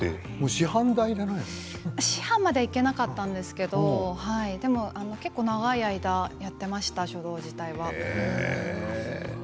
師範まではいけなかったんですけど長い間やっていました書道自体は。